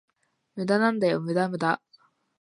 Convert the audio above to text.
無駄なんだよ、無駄無駄